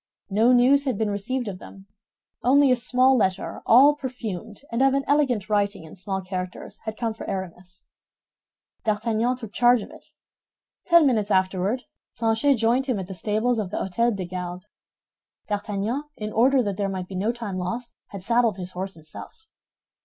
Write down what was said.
No news had been received of them; only a letter, all perfumed and of an elegant writing in small characters, had come for Aramis. D'Artagnan took charge of it. Ten minutes afterward Planchet joined him at the stables of the Hôtel des Gardes. D'Artagnan, in order that there might be no time lost, had saddled his horse himself.